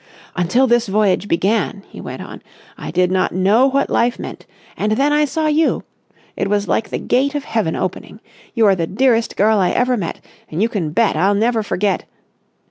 "Until this voyage began," he went on, "I did not know what life meant. And then I saw you! It was like the gate of heaven opening. You're the dearest girl I ever met, and you can bet I'll never forget...."